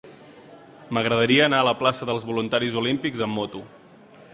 M'agradaria anar a la plaça dels Voluntaris Olímpics amb moto.